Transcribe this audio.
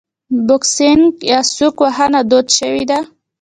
بوکسینګ یا سوک وهنه دود شوې ده.